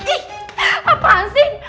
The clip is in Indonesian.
ih apaan sih